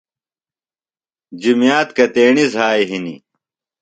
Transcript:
جُمیات کتیݨیۡ زھائی ہِنیۡ؟